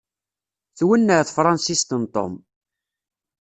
Twenneɛ tefransist n Tom.